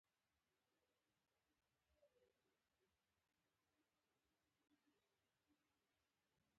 فیته یي مترونه، کمپاس او مایکرومتر هم په دې ډله کې شته.